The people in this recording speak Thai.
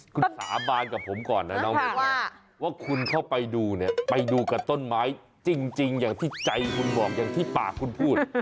คุณสาบานกับผมก่อนนะน้องใบว่าคุณเข้าไปดูเนี่ยไปดูกับต้นไม้จริงอย่างที่ใจคุณบอกอย่างที่ปากคุณพูด